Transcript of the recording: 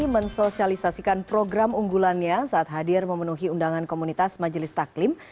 mensosialisasikan program unggulannya saat hadir memenuhi undangan komunitas majelis taklim